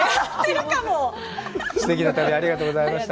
すてきな旅、ありがとうございました。